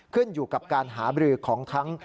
ขึ้นอยู่กับการหาบรือของทั้ง